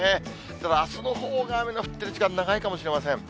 ただあすのほうが、雨が降っている時間、長いかもしれません。